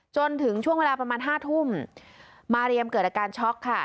จนถึงช่วงเวลาประมาณห้าทุ่มมาเรียมเกิดอาการช็อกค่ะ